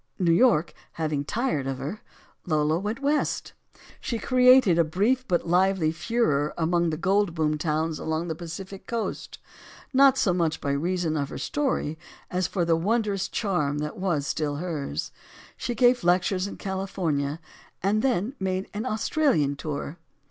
New York having tired of her, Lola went West. She created a brief, but lively, furore among the gold boom towns along the Pacific coast; not so much by reason of her story as for the wondrous charm that was still hers. She gave lectures in California, and then made an Australian tour.